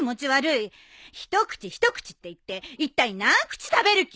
一口一口って言っていったい何口食べる気？